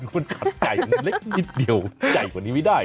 มันขับใจนิดเดียวใจกว่านี้ไม่ได้